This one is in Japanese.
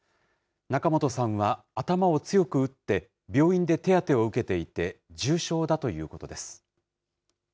仲本さんは頭を強く打って、病院で手当てを受けていて、重傷だということです。